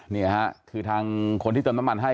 นี่ค่ะคือทางคนที่เติมน้ำมันให้